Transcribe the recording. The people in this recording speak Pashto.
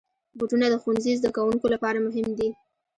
بوټونه د ښوونځي زدهکوونکو لپاره مهم دي.